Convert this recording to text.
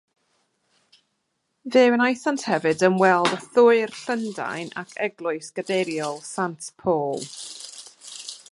Fe wnaethant hefyd ymweld â Thŵr Llundain ac Eglwys Gadeiriol Saint Paul.